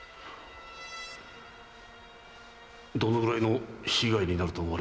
どのぐらいの被害になると思われますか？